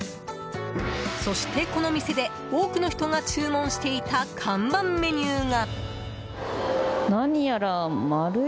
そして、この店で多くの人が注文していた看板メニューが。